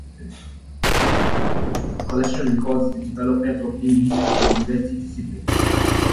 The collection records the development of English as a university discipline.